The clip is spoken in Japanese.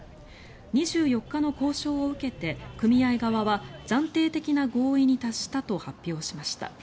２４日の交渉を受けて、組合側は暫定的な合意に達したと発表しました。